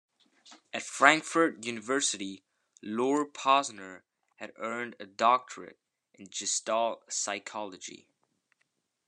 At Frankfurt University Lore Posner had earned a doctorate in Gestalt Psychology.